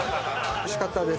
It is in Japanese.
おいしかったです。